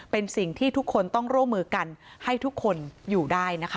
เป็นสิ่งที่ทุกคนต้องร่วมมือกันให้ทุกคนอยู่ได้นะคะ